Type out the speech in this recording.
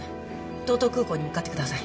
道東空港に向かってください。